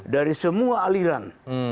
dari semua aliran